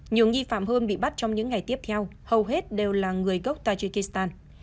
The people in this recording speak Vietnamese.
nhiều nghi phạm hơn bị bắt trong những ngày tiếp theo hầu hết đều là người gốc tajikistan